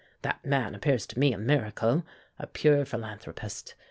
That man appears to me a miracle a pure philanthropist.